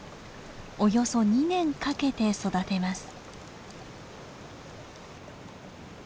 およそ２年かけて育てます。